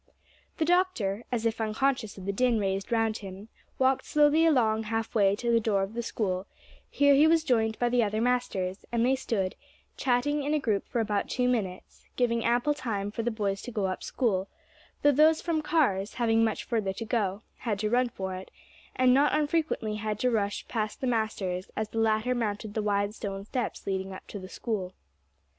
The Doctor, as if unconscious of the din raised round him, walked slowly along half way to the door of the School; here he was joined by the other masters, and they stood chatting in a group for about two minutes, giving ample time for the boys to go up School, though those from Carr's, having much further to go, had to run for it, and not unfrequently had to rush past the masters as the latter mounted the wide stone steps leading up to the School.